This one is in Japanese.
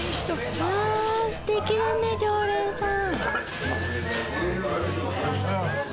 うわすてきだね常連さん。